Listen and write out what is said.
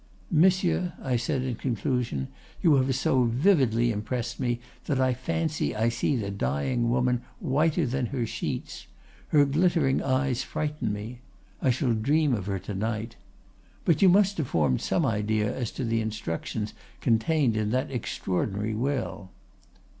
"'Monsieur,' I said in conclusion, 'you have so vividly impressed me that I fancy I see the dying woman whiter than her sheets; her glittering eyes frighten me; I shall dream of her to night.—But you must have formed some idea as to the instructions contained in that extraordinary will.